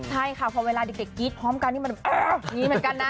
ใช่ค่ะพอเวลาเด็กกรี๊ดพร้อมกันนี่มันอ้าวดีเหมือนกันนะ